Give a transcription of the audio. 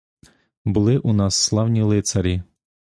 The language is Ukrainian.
Були у нас славні лицарі.